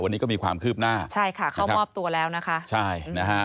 วันนี้ก็มีความคืบหน้าใช่ค่ะเข้ามอบตัวแล้วนะคะใช่นะฮะ